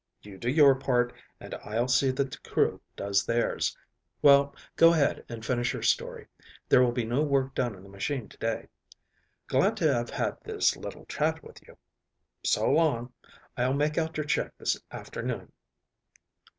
"You do your part, and I'll see that the crew does theirs. Well, go ahead and finish your story. There will be no work done on the machine to day. Glad to have had this little chat with you. So long. I'll make out your check this afternoon."